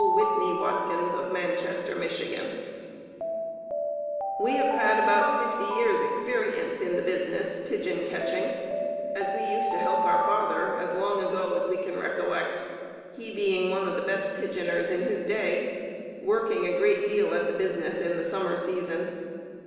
Whitney Watkins, of Manchester, Mich._) We have had about fifty years' experience in the business [pigeon catching], as we used to help our father as long ago as we can recollect, he being one of the best pigeoners in his day, working a great deal at the business in the summer season.